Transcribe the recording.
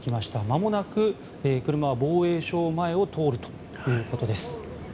まもなく車は防衛省前を通るということです。